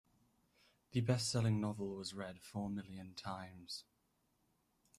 The bestselling novel was read four million times.